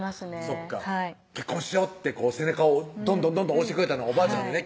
そっか結婚しようって背中をどんどん押してくれたのはおばあちゃんよね